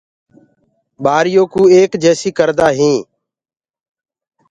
ٻآريو ڪو ايڪ جيسي ڪردآ هين پڇي